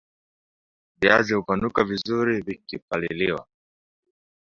viazi hupanuka vizuri vikipaliliwa